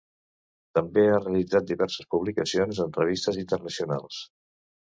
També ha realitzat diverses publicacions en revistes internacionals.